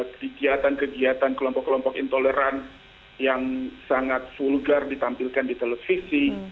kegiatan kegiatan kelompok kelompok intoleran yang sangat vulgar ditampilkan di televisi